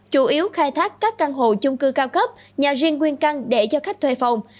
chủ yếu khai thác các căn hộ chung cư cao cấp nhà riêng nguyên căn để cho khách thuê phòng